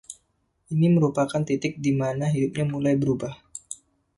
Ini merupakan titik di mana hidupnya mulai berubah.